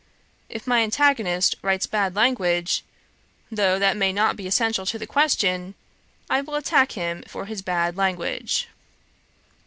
If my antagonist writes bad language, though that may not be essential to the question, I will attack him for his bad language.'